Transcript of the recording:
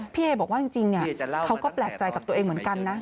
พี่เอบอกว่าจริงเขาก็แปลกใจกับตัวเองเหมือนกันนะ